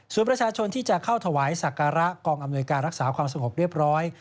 ส่วนประชาชนที่จะเข้าถวายศักระกองอำนวยการรักษาความสงบเรียบร้อย